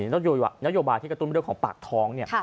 นโยบายที่กระตุ้นเรื่องของปากท้องเนี่ย